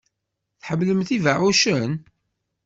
Tḥemmlemt ibeɛɛucen?